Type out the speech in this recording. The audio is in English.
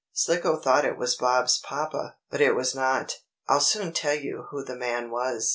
Slicko thought it was Bob's papa, but it was not. I'll soon tell you who the man was.